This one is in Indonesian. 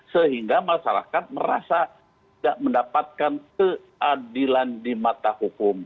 sehingga masyarakat merasa tidak mendapatkan keadilan di mata hukum